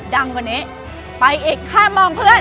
ดังกว่านี้ไปอีกแค่มองเพื่อน